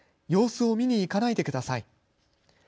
様子を見に行かないでください。